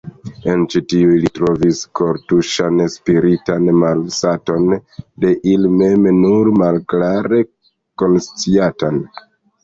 En ĉi tiuj li trovis kortuŝan spiritan malsaton, de ili mem nur malklare konsciatan.